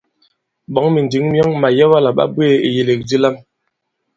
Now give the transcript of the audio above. Ɓɔ̌ŋ mìndǐŋ myɔŋ màyɛwa àla ɓa bweè ìyèlèk di lam.